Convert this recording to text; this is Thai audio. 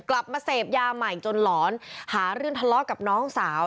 กลับมาเสพยาใหม่จนหลอนหาเรื่องทะเลาะกับน้องสาว